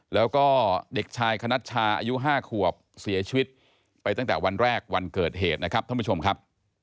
แล้วก็เด็กชายคณัชชาอายุ๕ขวบเสียชีวิตไปตั้งแต่วันแรกวันเกิดเหตุนะครับท่านผู้ชมครับ